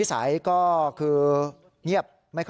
ร้านของรัก